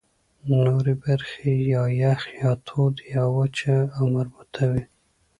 نورې برخې یا یخ، یا تود، یا وچه او مرطوبه وې.